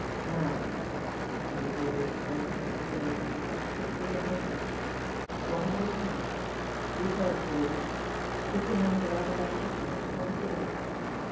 "Now" Jimmie Dale was biting off his words, as he stepped swiftly behind them "one at a time. You first, 144 JIMMIE DALE AND THE PHANTOM CLUE Goldie ; Put your hands around the back of the chair, palms together."